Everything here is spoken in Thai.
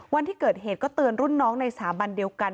วันที่เกิดเหตุก็เตือนรุ่นน้องในสถาบันเดียวกัน